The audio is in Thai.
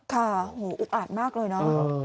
ค่ะโหอุ๊บอาดมากเลยนะ